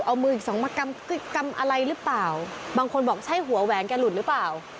เอามืออีกสองมากำอะไรหรือเปล่าบางคนบอกใช่หัวแหวนแกหลุดหรือเปล่า